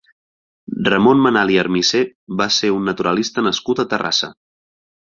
Ramon Menal i Armisé va ser un naturalista nascut a Terrassa.